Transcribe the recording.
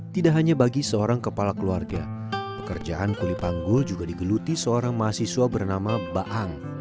tidak hanya bagi seorang kepala keluarga pekerjaan kulipanggul juga digeluti seorang mahasiswa bernama baang